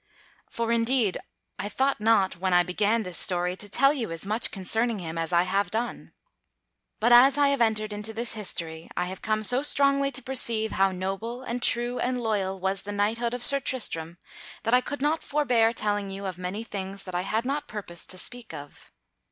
For indeed I thought not, when I began this history, to tell you as much concerning him as I have done. But as I have entered into this history I have come so strongly to perceive how noble and true and loyal was the knighthood of Sir Tristram, that I could not forbear telling you of many things that I had not purposed to speak of.